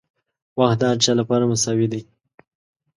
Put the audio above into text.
• وخت د هر چا لپاره مساوي دی.